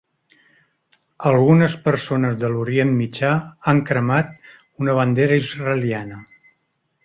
Algunes persones de l'Orient Mitjà han cremat una bandera israeliana.